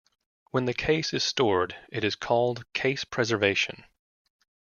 When the case is stored, it is called case preservation.